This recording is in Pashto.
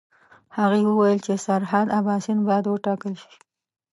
هغه وویل چې سرحد اباسین باید وټاکل شي.